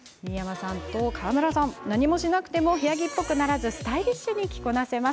何もしなくても部屋着っぽくならずスタイリッシュに着こなせます。